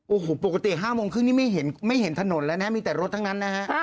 โอ้โหปกติ๕โมงครึ่งนี่ไม่เห็นถนนแล้วนะมีแต่รถทั้งนั้นนะฮะ